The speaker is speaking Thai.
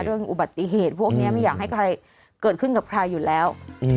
เรื่องอุบัติเหตุพวกนี้ไม่อยากให้ใครเกิดขึ้นกับใครอยู่แล้ว